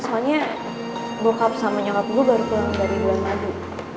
soalnya bokap sama nyokap gue baru pulang dari bulan madu